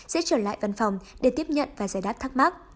sẽ trở lại văn phòng để tiếp nhận và giải đáp thắc mắc